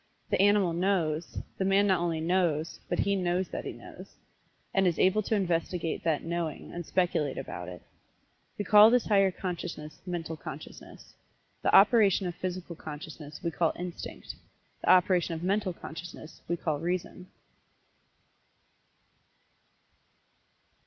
The animal "knows" the man not only "knows," but he "knows that he knows," and is able to investigate that "knowing" and speculate about it. We call this higher consciousness Mental Consciousness. The operation of Physical Consciousness we call Instinct the operation of Mental Consciousness we call Reason.